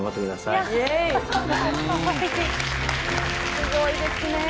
すごいですね。